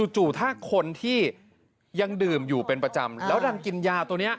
จู่ถ้าคนที่ยังดื่มอยู่เป็นประจำแล้วดันกินยาตัวนี้